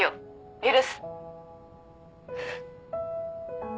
許す。